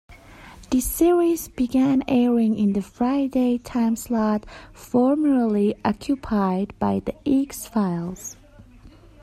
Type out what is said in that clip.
The series began airing in the Friday timeslot formerly occupied by "The X-Files".